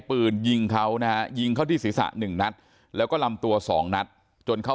ปืนยิงเขานะฮะยิงเข้าที่ศีรษะ๑นัดแล้วก็ลำตัว๒นัดจนเข้า